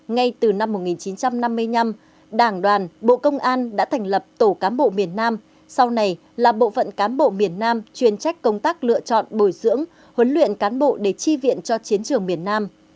ngay từ năm một nghìn chín trăm năm mươi năm đảng đoàn bộ công an đã thành lập tổ cám bộ miền nam sau này là bộ phận cán bộ miền nam chuyên trách công tác lựa chọn bồi dưỡng huấn luyện cán bộ để chi viện cho chiến trường miền nam